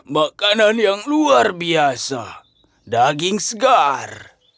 makanan yang luar biasa daging segar